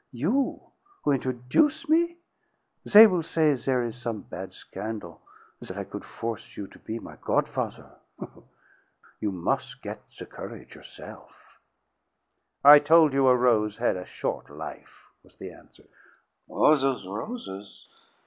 You, who introduce' me? They will say there is some bad scandal that I could force you to be my god father. You mus' get the courage yourself." "I told you a rose had a short life," was the answer. "Oh, those roses!